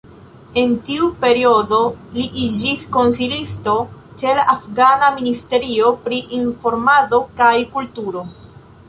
En tiu periodo li iĝis konsilisto ĉe la afgana Ministerio pri Informado kaj Kulturo.